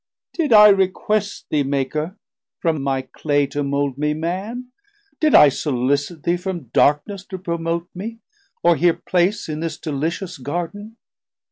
Did I request thee, Maker, from my Clay To mould me Man, did I sollicite thee From darkness to promote me, or here place In this delicious Garden?